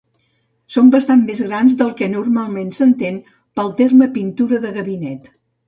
Són bastant més grans del que normalment s'entén pel terme pintura de gabinet.